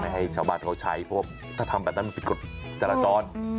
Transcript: ให้ชาวบ้านเขาใช้เพราะว่าถ้าทำแบบนั้นมันผิดกฎจราจร